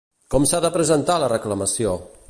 Com s'ha de presentar la reclamació?